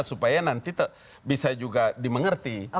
supaya nanti bisa juga dimengerti